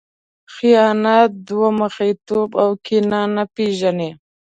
خیانت، دوه مخی توب او کینه نه پېژني.